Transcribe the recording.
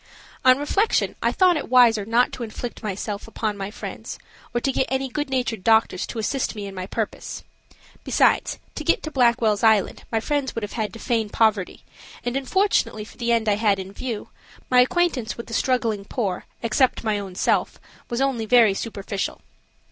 On reflection I thought it wiser not to inflict myself upon my friends or to get any good natured doctors to assist me in my purpose. Besides, to get to Blackwell's Island my friends would have had to feign poverty, and, unfortunately for the end I had in view, my acquaintance with the struggling poor, except my own self, was only very superficial.